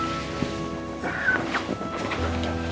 sini sini biar tidurnya enak